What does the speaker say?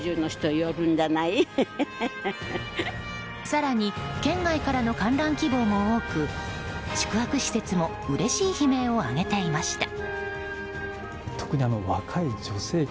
更に県外からの観覧希望も多く宿泊施設もうれしい悲鳴を上げていました。